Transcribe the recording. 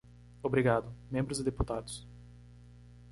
Obrigado, membros e deputados.